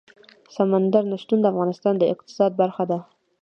سمندر نه شتون د افغانستان د اقتصاد برخه ده.